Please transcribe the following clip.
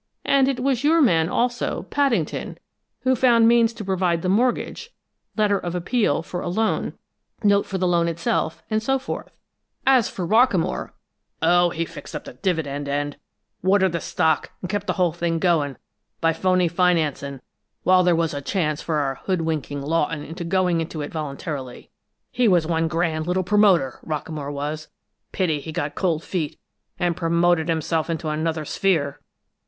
"And it was your man, also, Paddington, who found means to provide the mortgage, letter of appeal for a loan, note for the loan itself, and so forth. As for Rockamore " "Oh, he fixed up the dividend end, watered the stock and kept the whole thing going by phony financing while there was a chance of our hoodwinking Lawton into going into it voluntarily. He was one grand little promoter, Rockamore was; pity he got cold feet, and promoted himself into another sphere!"